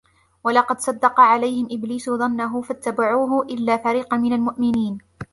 وَلَقَد صَدَّقَ عَلَيهِم إِبليسُ ظَنَّهُ فَاتَّبَعوهُ إِلّا فَريقًا مِنَ المُؤمِنينَ